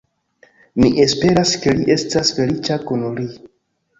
Mi esperas ke li estas feliĉa kun ri.